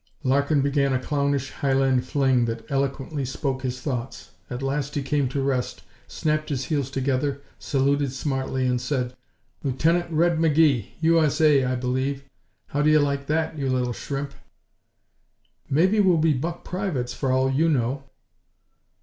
Larkin began a clownish Highland fling that eloquently spoke his thoughts. At last he came to rest, snapped his heels together, saluted smartly and said: "Lieutenant Red McGee, U.S.A., I believe. How do you like that you little shrimp?" "Maybe we'll be buck privates, for all you know."